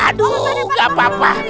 aduh gak papa